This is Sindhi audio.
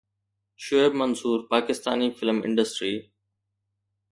Shoaib Mansoor Pakistani film industry